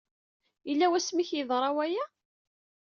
Yella wasmi ay ak-yeḍra waya?